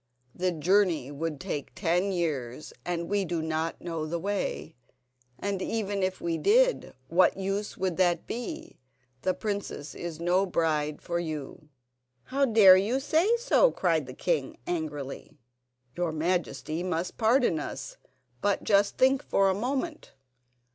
"The journey would take ten years, and we do not know the way. And even if we did, what use would that be? The princess is no bride for you." "How dare you say so?" cried the king angrily. "Your Majesty must pardon us; but just think for a moment.